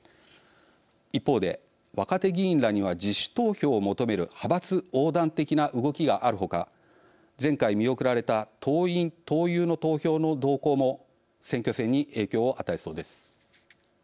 一方で若手議員らには自主投票を求める派閥横断的な動きがあるほか前回見送られた党員・党友の投票の動向も選挙戦に影響を与えそうです。